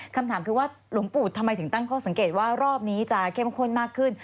คำถามคือว่าหลวงปู่ทำไมถึงตั้งข้อสังเกตว่ารอบนี้จะเข้มข้นมากขึ้น